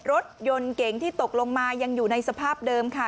รถเก๋งเก๋งที่ตกลงมายังอยู่ในสภาพเดิมค่ะ